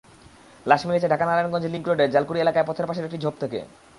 লাশ মিলেছে ঢাকা-নারায়ণগঞ্জ লিংক রোডের জালকুড়ি এলাকায় পথের পাশের একটি ঝোপ থেকে।